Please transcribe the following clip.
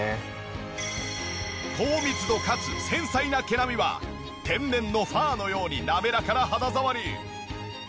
高密度かつ繊細な毛並みは天然のファーのように滑らかな肌触り。